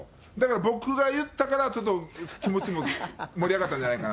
僕が言ったから、ちょっと、気持ちも盛り上がったんじゃないかな。